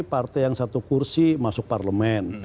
partai yang satu kursi masuk parlemen